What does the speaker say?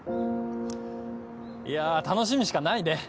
いや楽しみしかないね！